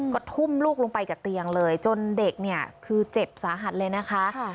ก็ทุ่มลูกลงไปกับเตียงเลยจนเด็กเนี่ยคือเจ็บสาหัสเลยนะคะ